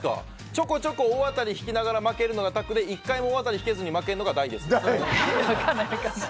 ちょこちょこ大当たり引きながら負けるのが拓さんで１回も大当たり引けずに負けるのが大です。